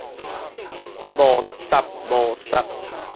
無沓無屑